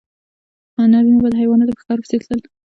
نارینه به د حیواناتو په ښکار پسې تلل.